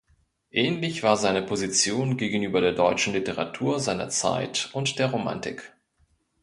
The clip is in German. Ähnlich war seine Position gegenüber der deutschen Literatur seiner Zeit und der Romantik.